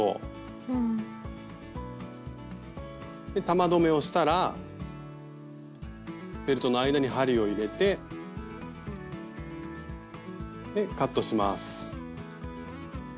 玉留めをしたらフェルトの間に針を入れてでカットします。